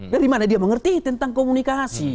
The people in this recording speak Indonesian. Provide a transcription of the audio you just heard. dari mana dia mengerti tentang komunikasi